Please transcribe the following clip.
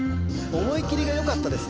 思い切りがよかったです